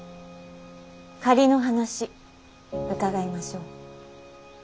仮の話伺いましょう。